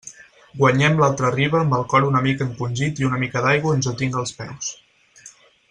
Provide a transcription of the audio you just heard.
Guanyem l'altra riba amb el cor una mica encongit i una mica d'aigua on jo tinc els peus.